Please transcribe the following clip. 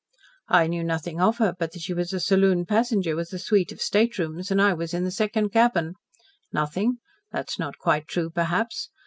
"I knew nothing of her but that she was a saloon passenger with a suite of staterooms, and I was in the second cabin. Nothing? That is not quite true, perhaps.